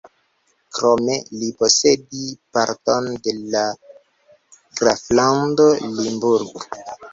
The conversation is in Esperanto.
Krome li posedi parton de la graflando Limburg.